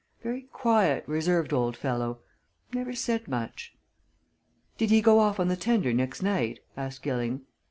Very quiet, reserved old fellow never said much." "Did he go off on the tender next night?" asked Gilling.